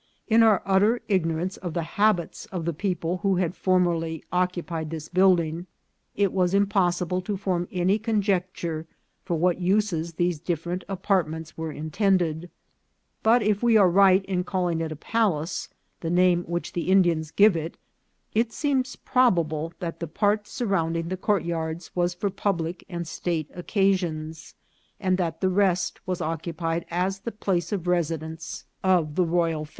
In our utter ignorance of the habits of the people who had formerly occupied this building, it was impos sible to form any conjecture for what uses these differ ent apartments were intended ; but if we are right in calling it a palace, the name which the Indians give it, it seems probable that the part surrounding the court yards was for public and state occasions, and that the rest was occupied as the place of residence of the royal 320 INCIDENTS OF TRAVEL.